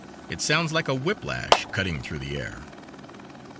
It sounds like a whip lash cutting through the air.